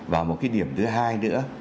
và một cái điểm thứ hai nữa